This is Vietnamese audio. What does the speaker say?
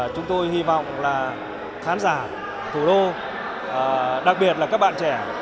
chúng tôi hy vọng là khán giả thủ đô đặc biệt là các bạn trẻ